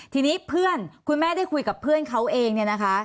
ทีนี้เพื่อนคุณแม่ได้คุยกับเพื่อนเขาเองเนี่ยนะคะ